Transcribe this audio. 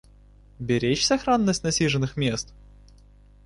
Беречь сохранность насиженных мест?